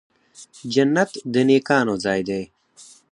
جنت د نیکانو ځای دی